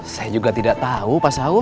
saya juga tidak tahu pak saud